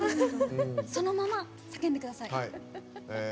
そのまま叫んでください。